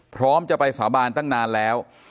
พร้อมจะไปสาบานตั้งนานแล้ว